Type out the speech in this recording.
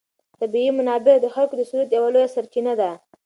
طبیعي منابع د خلکو د ثروت یوه لویه سرچینه ده.